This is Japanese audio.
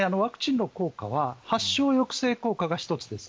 ワクチンの効果は発症抑制効果が１つです。